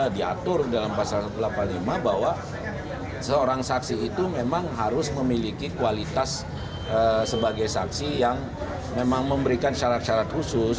diatur dalam pasal satu ratus delapan puluh lima bahwa seorang saksi itu memang harus memiliki kualitas sebagai saksi yang memang memberikan syarat syarat khusus